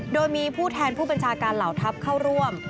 โดยมีผู้แทนผู้บัญชาการเหล่าทัพเข้าร่วม